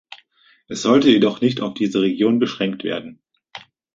Es sollte jedoch nicht auf diese Region beschränkt werden.